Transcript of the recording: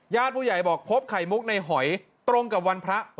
ผู้ใหญ่บอกพบไข่มุกในหอยตรงกับวันพระ